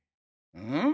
うん？